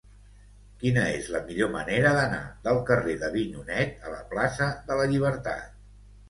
Quina és la millor manera d'anar del carrer d'Avinyonet a la plaça de la Llibertat?